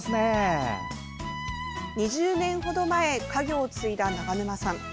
２０年ほど前家業を継いだ長沼さん。